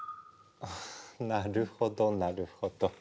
なるほどなるほど。